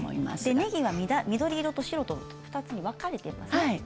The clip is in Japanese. ねぎは緑と白の２つに分けています。